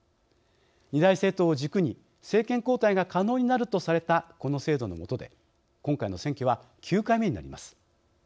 ２大政党を軸に政権交代が可能になるとされたこの制度のもとで今回の選挙は９回目になります。